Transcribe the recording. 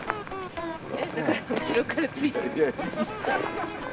だから後ろからついてく。